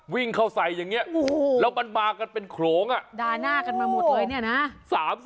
วิ่งเข้าใส่อย่างนี้แล้วมันมากันเป็นโขลงอ่ะด่าหน้ากันมาหมดเลยเนี่ยนะ